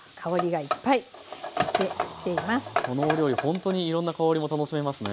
このお料理ほんとにいろんな香りも楽しめますね。